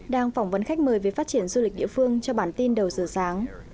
đang phỏng vấn khách mời về phát triển du lịch địa phương cho bản tin đầu giờ sáng